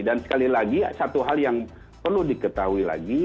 dan sekali lagi satu hal yang perlu diketahui lagi